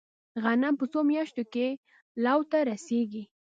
غنم په څو میاشتو کې لو ته رسیږي؟